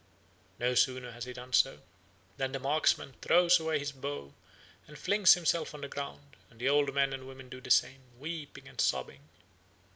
No sooner has he done so, than the marksman throws away his bow and flings himself on the ground, and the old men and women do the same, weeping and sobbing.